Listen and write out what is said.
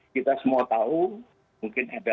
kita semua tahu mungkin ada